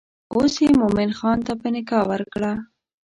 اوس یې مومن خان ته په نکاح ورکړه.